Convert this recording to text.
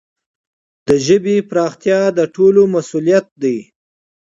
د ژبي پراختیا د ټولو مسؤلیت دی.